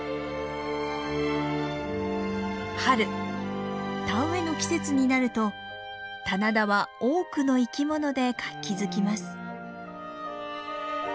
春田植えの季節になると棚田は多くの生き物で活気づきます。